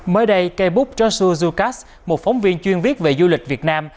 mới đây cây búp joshua zucas một phóng viên chuyên viết về du lịch việt nam